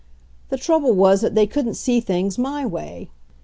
"The trouble was that they couldn't see things my way.